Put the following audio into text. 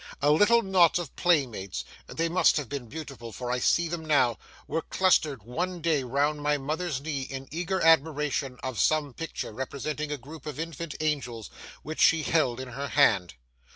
A little knot of playmates—they must have been beautiful, for I see them now—were clustered one day round my mother's knee in eager admiration of some picture representing a group of infant angels, which she held in her hand.